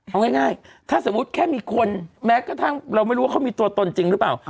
เอาง่ายถ้าสมมุติแค่มีคนแม้กระทั่งเราไม่รู้ว่าเขามีตัวตนจริงหรือเปล่า